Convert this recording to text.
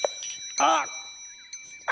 あっ！